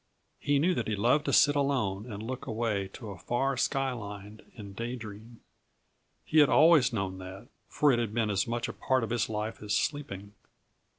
He knew that he loved to sit alone and look away to a far skyline and day dream. He had always known that, for it had been as much a part of his life as sleeping.